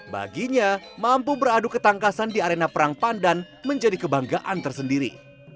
baginya mampu beradu ketangkasan di arena perang pandan menjadi kebanggaan tersendiri